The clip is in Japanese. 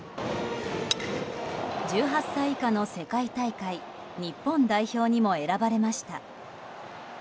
１８歳以下の世界大会日本代表にも選ばれました。